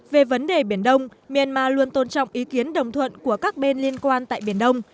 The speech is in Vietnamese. về vấn đề biển đông myanmar luôn tôn trọng ý kiến đồng thuận của các bên liên quan tại biển đông